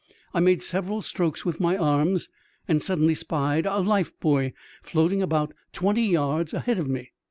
I made several strokes with my arms, and suddenly spied a lifebuoy floating almost twenty yards ahead of me.